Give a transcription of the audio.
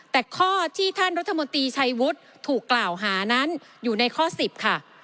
แต่ข้อที่ท่านรัฐมนตรีชัยวุฒิถูกกล่าวหานั้นอยู่ในข้อ๑๐ค่ะ